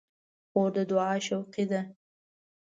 خور د دعا شوقي ده.